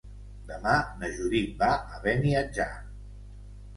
Demà na Judit va a Beniatjar.